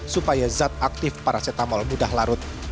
supaya zat aktif paracetamol mudah larut